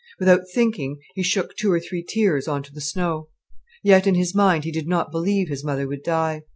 Without thinking, he shook two or three tears on to the snow. Yet in his mind he did not believe his mother would die.